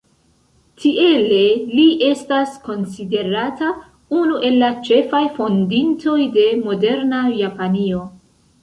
Tiele li estas konsiderata unu el la ĉefaj fondintoj de moderna Japanio.